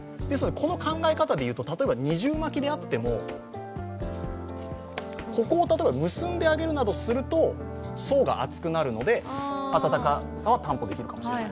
この考え方でいうと、二重巻きであっても、ここを結んであげるなどすると層が厚くなるので、暖かさは担保できるかもしれない。